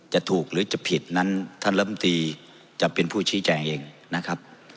จะถูกหรือจะผิดนั้นท่านลำตีจะเป็นผู้ชี้แจงเองนะครับ